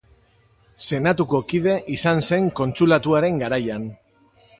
Senatuko kide izan zen Kontsulatuaren garaian.